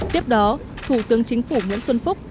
tiếp đó thủ tướng chính phủ nguyễn xuân phúc